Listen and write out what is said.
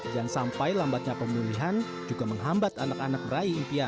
dan sampai lambatnya pemulihan juga menghambat anak anak meraih impian